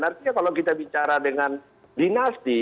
artinya kalau kita bicara dengan dinasti